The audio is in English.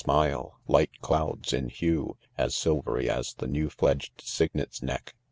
smile 5 —light clouds., in huq, As silvery as the new fledged cygnet's neck.